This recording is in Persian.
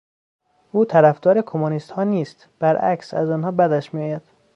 او طرفدار کمونیستها نیست، برعکس از آنها بدش میآید.